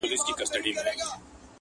چي تر پام دي ټول جهان جانان جانان سي,